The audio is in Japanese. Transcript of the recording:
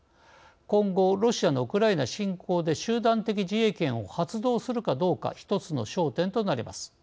今後ロシアのウクライナ侵攻で集団的自衛権を発動するかどうか一つの焦点となります。